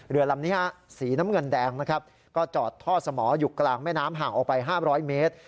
เรือลำนี้สีน้ำเงินแดงนะครับก็จอดท่อสมออยู่กลางแม่น้ำห่างออกไป๕๐๐เมตร